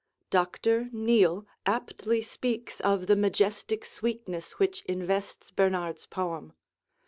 Dr. Neale aptly speaks of the majestic sweetness which invests Bernard's poem.